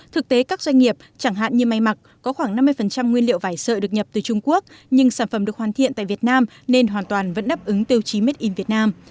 thực tế các doanh nghiệp chẳng hạn như may mặc có khoảng năm mươi nguyên liệu vải sợi được nhập từ trung quốc nhưng sản phẩm được hoàn thiện tại việt nam nên hoàn toàn vẫn đáp ứng tiêu chí made in vietnam